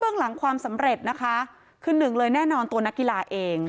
หลังความสำเร็จนะคะคือหนึ่งเลยแน่นอนตัวนักกีฬาเอง